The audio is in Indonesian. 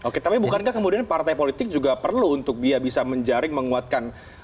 oke tapi bukankah kemudian partai politik juga perlu untuk dia bisa menjaring menguatkan